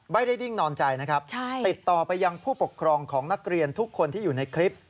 ดิ้งนอนใจนะครับติดต่อไปยังผู้ปกครองของนักเรียนทุกคนที่อยู่ในคลิป